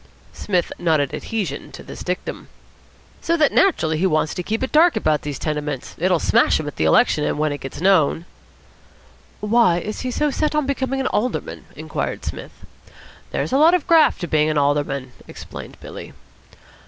Psmith nodded adhesion to this dictum. "So that naturally he wants to keep it dark about these tenements. It'll smash him at the election when it gets known." "Why is he so set on becoming an Alderman," inquired Psmith. "There's a lot of graft to being an Alderman," explained Billy.